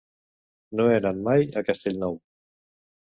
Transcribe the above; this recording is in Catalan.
No he anat mai a Castellnou.